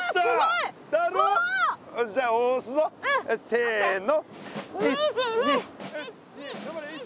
せの。